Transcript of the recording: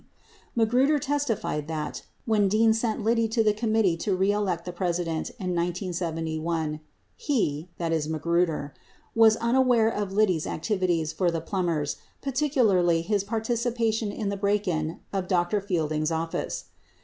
13 Magruder testified that, when Dean sent Liddy to the Committee To Re Elect the President in 1971, he (Magruder) was unaware of Liddy's activities for the Plumbers, particularly his participation in the break in of Dr. Fielding's office.